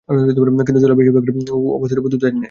চিন্তা জলের উপরিভাগে অবস্থিত বুদ্বুদের ন্যায়।